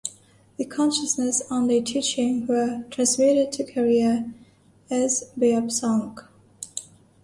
The Consciousness Only teachings were transmitted to Korea as "Beopsang".